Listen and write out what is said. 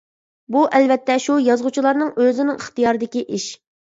بۇ ئەلۋەتتە شۇ يازغۇچىلارنىڭ ئۆزىنىڭ ئىختىيارىدىكى ئىش.